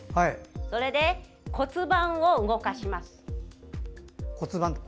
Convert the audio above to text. それで骨盤を動かします。